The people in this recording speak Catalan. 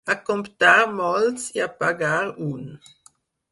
A comptar, molts, i a pagar, un.